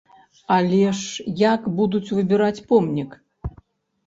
Але ж як будуць выбіраць помнік?